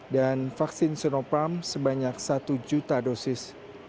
dan vaksin sinoparm sebanyak satu juta dosis